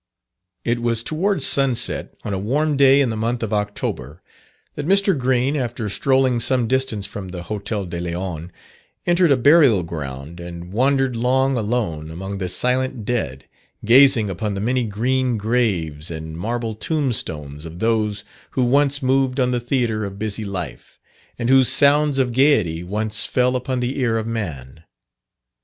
It was towards sunset, on a warm day in the month of October, that Mr. Green, after strolling some distance from the Hotel de Leon, entered a burial ground and wandered long alone among the silent dead, gazing upon the many green graves and marble tombstones of those who once moved on the theatre of busy life, and whose sounds of gaiety once fell upon the ear of man.